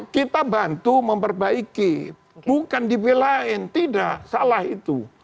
kita bantu memperbaiki bukan dibelain tidak salah itu